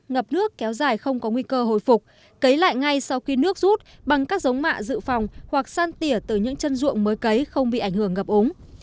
ngập nước kéo dài không có nguy cơ hồi phục cấy lại ngay sau khi nước rút bằng các giống mạ dự phòng hoặc san tỉa từ những chân ruộng mới cấy không bị ảnh hưởng ngập ống